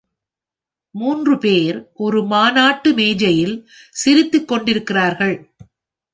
மூன்று பேர் ஒரு மாநாட்டு மேஜையில் சிரித்துக் கொண்டிருக்கிறார்கள்.